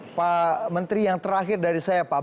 pak menteri yang terakhir dari saya pak